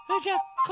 これ？